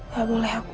gak boleh aku